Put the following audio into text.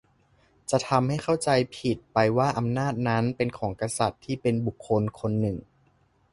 จะทำให้เข้าใจผิดไปว่าอำนาจนั้นเป็นของกษัตริย์ที่เป็นบุคคลคนหนึ่ง